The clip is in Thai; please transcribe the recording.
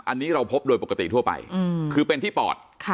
อันนี้เราพบโดยปกติทั่วไปคือเป็นที่ปอด